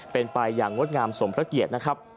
เป็นไปอย่างงดงามสมพระเกียรตินะครับ